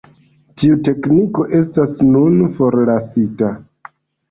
Tiu tekniko estas nun forlasita.